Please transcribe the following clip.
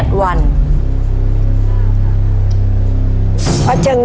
ตัวเลือกที่สี่อายุ๙๖ปี๔เดือน๘วัน